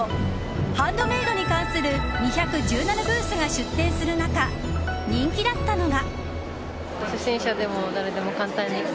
ハンドメイドに関する２１７ブースが出展する中人気だったのが。